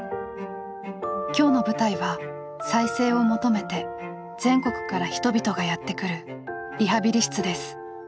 今日の舞台は再生を求めて全国から人々がやって来るリハビリ室です。